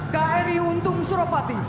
kri untung suropati